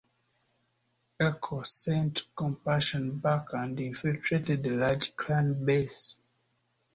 Ecco sent Compassion back and infiltrated a large Clan base.